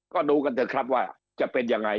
ก็ดูกันเถอะครับว่าจะเป็นยังไง